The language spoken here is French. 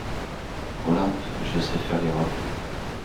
Olympe Je sais faire les robes.